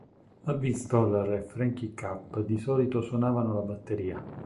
Alvin Stoller o Frankie Capp di solito suonavano la batteria.